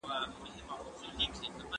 دې ته لیکلي،